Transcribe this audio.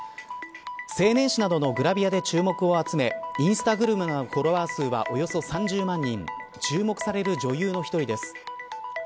青年誌などのグラビアで注目を集めインスタグラムのフォロワー数はおよそ３０万人注目される女優の１人です。